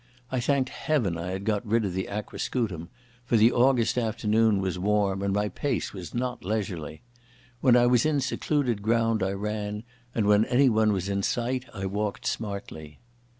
I thanked Heaven I had got rid of the aquascutum, for the August afternoon was warm and my pace was not leisurely. When I was in secluded ground I ran, and when anyone was in sight I walked smartly.